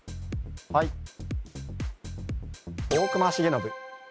はい大隈重信